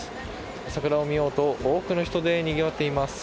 桜を見ようと多くの人でにぎわっています。